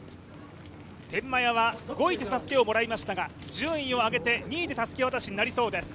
天満屋は５位でたすきをもらいましたが順位を上げて２位でたすき渡しになりそうです。